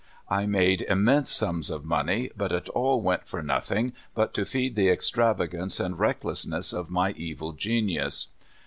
I made immense sums of money, but it all went for nothing but to feed the extravagance and reck lessness of my evil genius.